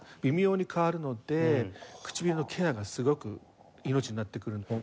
微妙に変わるので唇のケアがすごく命になってくる。